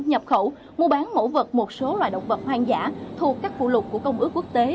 nhập khẩu mua bán mẫu vật một số loài động vật hoang dã thuộc các phụ lục của công ước quốc tế